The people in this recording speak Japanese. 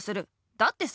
だってさ